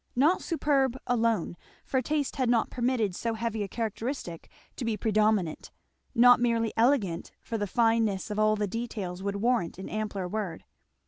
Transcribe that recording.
Not superb alone, for taste had not permitted so heavy a characteristic to be predominant; not merely elegant, for the fineness of all the details would warrant an ampler word.